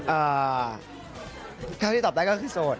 เท่าที่ตอบได้ก็คือโสด